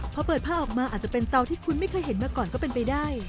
พอเปิดผ้าออกมาอาจจะเป็นเตาที่คุณไม่เคยเห็นมาก่อนก็เป็นไปได้